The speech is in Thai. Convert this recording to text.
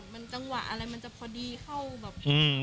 มันจังหวะอะไรมันจะพอดีเข้าแบบ